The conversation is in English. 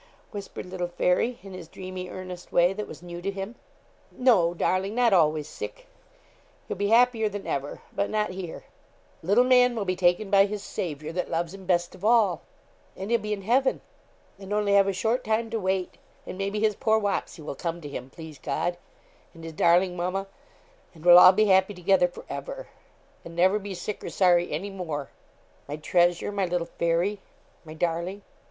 whispered little Fairy, in his dreamy, earnest way, that was new to him. 'No, darling; not always sick: you'll be happier than ever but not here; little man will be taken by his Saviour, that loves him best of all and he'll be in heaven and only have a short time to wait, and maybe his poor Wapsie will come to him, please God, and his darling mamma and we'll all be happy together, for ever, and never be sick or sorry any more, my treasure my little Fairy my darling.'